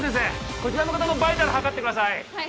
こちらの方のバイタル測ってくださいはい！